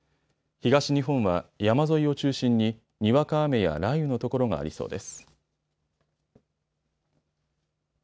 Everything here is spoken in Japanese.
東日本は山沿いを中心ににわか雨や雷雨の所がありそうです。